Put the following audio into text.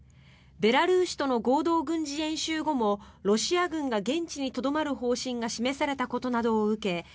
ベラルーシとの合同軍事演習後もロシア軍が現地にとどまる方針が示されたことなどを受け